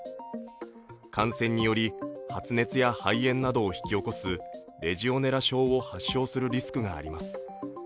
感染により発熱や肺炎などを引き起こすレジオネラ症を発症するリスクがあります。